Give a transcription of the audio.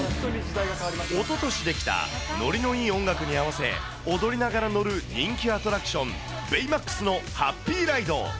おととし出来た、ノリのいい音楽に合わせ、踊りながら乗る人気アトラクション、ベイマックスのハッピーライド。